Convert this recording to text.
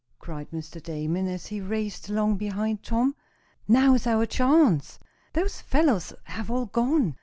cried Mr. Damon, as he raced along behind Tom. "Now's our chance. Those fellows have all gone!"